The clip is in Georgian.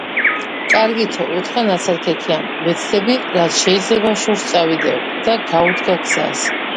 კარგითო, - უთხრა ნაცარქექიამ, - ვეცდები, რაც შეიძლება შორს წავიდეო, - და გაუდგა გზას.